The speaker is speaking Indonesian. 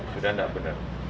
sudah tidak benar